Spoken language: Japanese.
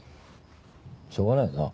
しょうがないよな？